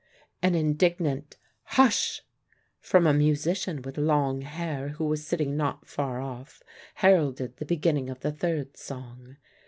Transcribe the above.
An indignant "Hush!" from a musician with long hair who was sitting not far off heralded the beginning of the third song.